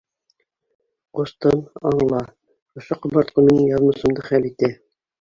Ҡустым, аңла, ошо ҡомартҡы минең яҙмышымды хәл итә.